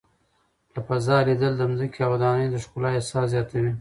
له فضا لیدل د ځمکې او ودانیو د ښکلا احساس زیاتوي.